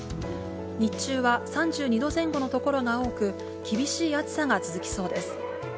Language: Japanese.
日中は３２度前後の所が多く、厳しい暑さが続きそうです。